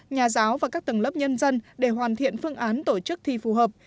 nhà giáo và các tầng lớp nhân dân để hoàn thiện phương án tổ chức thi phù hợp